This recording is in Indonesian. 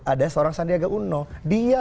ada seorang sandiaga uno dia